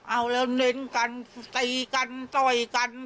เอาแล้วเน้นกันตีกันต่อยกัน